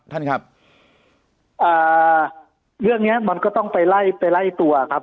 ท่านครับเรื่องเนี้ยมันก็ต้องไปไล่ไปไล่ตัวครับ